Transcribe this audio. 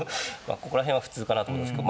ここら辺は普通かなと思うんですけど